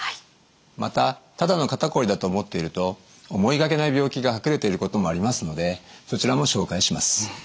またただの肩こりだと思っていると思いがけない病気が隠れていることもありますのでそちらも紹介します。